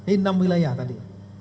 ini enam wilayah tadi